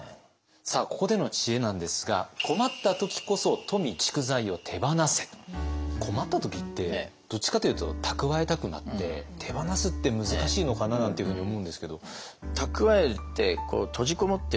さあここでの知恵なんですが困った時ってどっちかというと蓄えたくなって手放すって難しいのかななんていうふうに思うんですけど。